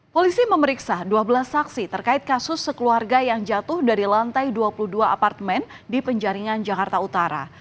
polisi memeriksa dua belas saksi terkait kasus sekeluarga yang jatuh dari lantai dua puluh dua apartemen di penjaringan jakarta utara